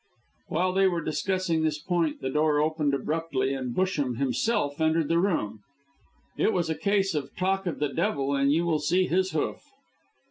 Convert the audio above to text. While they were discussing this point, the door opened abruptly, and Busham himself entered the room. It was a case of "Talk of the Devil and you will see his hoof."